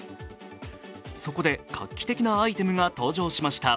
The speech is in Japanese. そこで画期的なアイテムが登場しました。